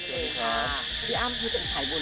คือกีอร์มอัลิภา๑๙นะครับ